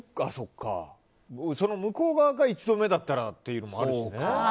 向こう側が１度目だったらっていうのもあるしね。